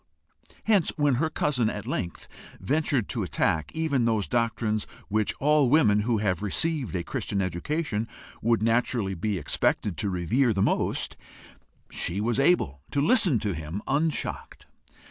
Hence, when her cousin at length ventured to attack even those doctrines which all women who have received a Christian education would naturally be expected to revere the most, she was able to listen to him unshocked.